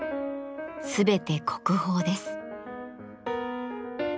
全て国宝です。